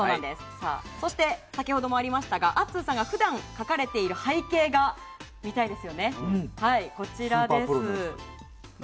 そして先ほどもありましたがアッツーさんが普段描かれている背景画、見たいですよね。